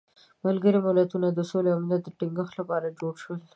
ملګري ملتونه د سولې او امنیت د تینګښت لپاره جوړ شول.